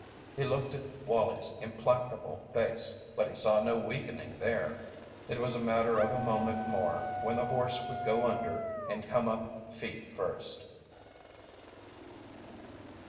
He looked at Wallie's implacable face, but he saw no weakening there, it was a matter of a moment more when the horse would go under and come up feet first.